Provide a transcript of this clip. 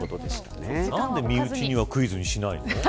なんで身内にはクイズにしないの。